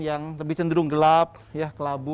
yang lebih cenderung gelap kelabu